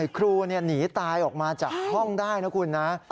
ครูหนีตายออกมาจากห้องได้นะคุณนะ